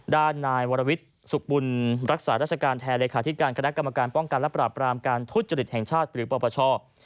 ด้านนายวรวิทย์สุขบุญรักษาราชการแทนเลขาธิการคณะกรรมการป้องกันและปราบรามการทุจริตแห่งชาติหรือปปช